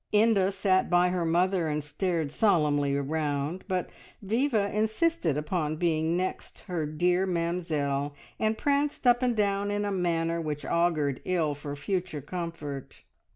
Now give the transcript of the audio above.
Inda sat by her mother and stared solemnly around, but Viva insisted upon being next her dear Mamzelle, and pranced up and down in a manner which augured ill for future comfort.